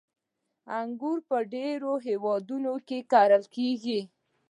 • انګور په ډېرو هېوادونو کې کرل کېږي.